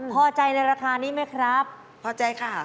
พอใจในราคานี้ไหมครับพอใจค่ะ